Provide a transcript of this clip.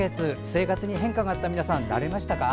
生活に変化があった皆さんは慣れましたか？